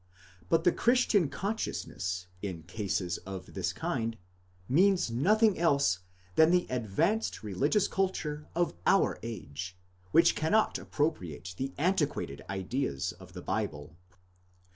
But the Christian consciousness, in cases of this kind, means nothing else than the advanced religious culture of our age, which cannot appropriate the antiquated ideas of the Bible.